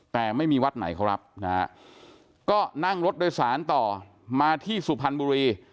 แต่ไม่มีวัดไหนเขารับนะฮะก็นั่งรถโดยสารต่อมาที่สุพรรณบุรี